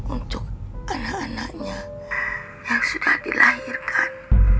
untuk anak anaknya yang sudah dilahirkan